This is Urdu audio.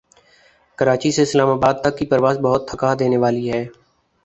کراچی سے اسلام آباد تک کی پرواز بہت تھکا دینے والی ہے